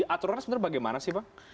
aturan sebenarnya bagaimana sih pak